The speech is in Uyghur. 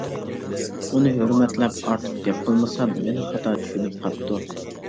ئۇنى ھۆرمەتلەپ ئارتۇق گەپ قىلمىسام مېنى خاتا چۈشىنىپ قاپتۇ.